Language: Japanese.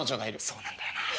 そうなんだよなあ。